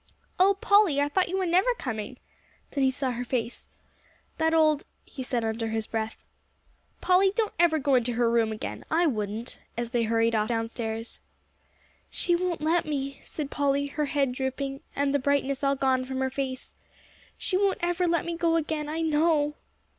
"Oh, Polly, I thought you were never coming." Then he saw her face. "That old " he said under his breath. "Polly, don't ever go into her room again. I wouldn't," as they hurried off downstairs. "She won't let me," said Polly, her head drooping, and the brightness all gone from her face. "She won't ever let me go again, I know."